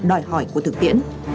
đòi hỏi của thực tiễn